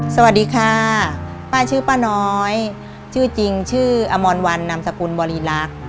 สวัสดีค่ะป้าชื่อป้าน้อยชื่อจริงชื่ออมรวันนามสกุลบริรักษ์